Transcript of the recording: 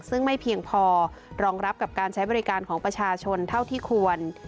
ซึ่งไม่เพียงพอรองรับกับการใช้บริการของประชาชนเท่าที่ควร